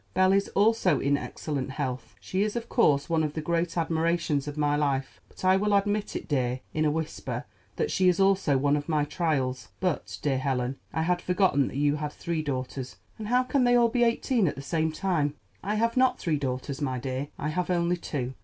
Belle is also in excellent health. She is, of course, one of the great admirations of my life; but I will admit it, dear, in a whisper, that she is also one of my trials. But, dear Helen, I had forgotten that you had three daughters; and how can they be all eighteen at the same time?" "I have not three daughters, my dear; I have only two.